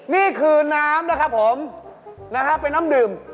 นี่คือน้ำนะครับผมนะฮะเป็นน้ำดื่ม